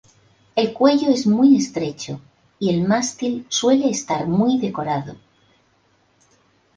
El cuello es muy estrecho, y el mástil suele estar muy decorado.